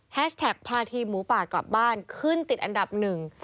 แท็กพาทีมหมูป่ากลับบ้านขึ้นติดอันดับหนึ่ง